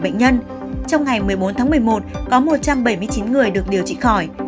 bệnh nhân trong ngày một mươi bốn tháng một mươi một có một trăm bảy mươi chín người được điều trị khỏi